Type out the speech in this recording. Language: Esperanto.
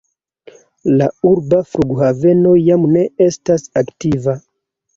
La urba flughaveno jam ne estas aktiva.